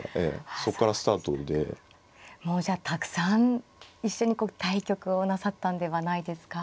もうじゃあたくさん一緒にこう対局をなさったんではないですか。